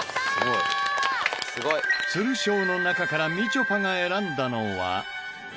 鶴賞の中からみちょぱが選んだのは。